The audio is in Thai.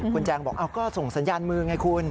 คุณแจงบอกก็ส่งสัญญาณมือไงคุณ